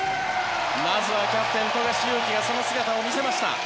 まずはキャプテン富樫勇樹が姿を見せました。